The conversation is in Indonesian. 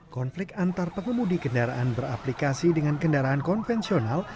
konflik antar pengemudi kendaraan beraplikasi dengan kendaraan konvensional